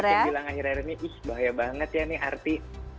yang banyak yang bilang akhir akhir ini ih bahaya banget ya nih arsy